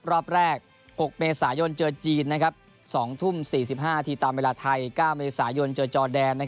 รอบแรก๖เมษายนเจอจีน๒ทุ่ม๔๕นาทีตามเวลาไทย๙เมษายนเจอจอแดน